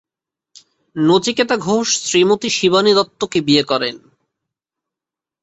নচিকেতা ঘোষ শ্রীমতী শিবানী দত্তকে বিয়ে করেন।